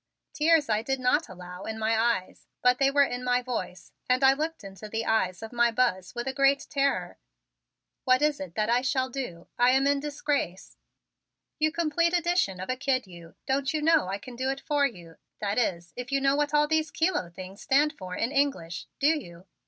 Tears I did not allow in my eyes, but they were in my voice, and I looked into the eyes of my Buzz with a great terror. "What is it that I shall do? I am in disgrace." "You complete edition of a kid, you, don't you know I can do it for you? That is, if you know what all these kilo things stand for in English. Do you?"